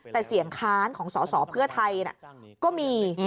แต่เสียงค้านของสอสอเพื่อไทยก็มี